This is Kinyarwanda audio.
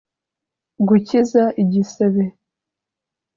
Gukiza igisebe